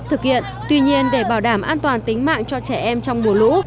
thực hiện tuy nhiên để bảo đảm an toàn tính mạng cho trẻ em trong mùa lũ